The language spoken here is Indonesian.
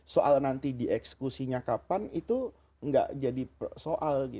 soal nanti dieksekusinya kapan itu nggak jadi soal